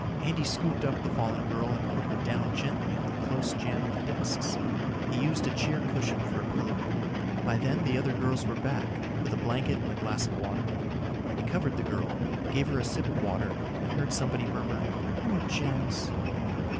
Andy scooped up the fallen girl and put her down gently on the close jammed desks. He used a chair cushion for a pillow. By then the other girls were back with a blanket and the glass of water. He covered the girl, gave her a sip of water and heard somebody murmur, "Poor Janis."